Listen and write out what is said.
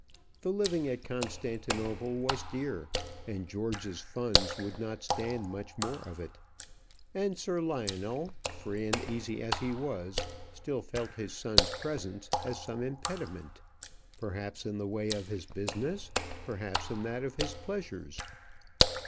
The living at Constantinople was dear, and George's funds would not stand much more of it; and Sir Lionel, free and easy as he was, still felt his son's presence as some impediment perhaps in the way of his business, perhaps in that of his pleasures.